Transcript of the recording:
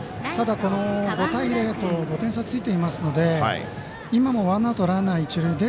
ただ、５対０と５点差がついていますので今もワンアウト、ランナー、一塁。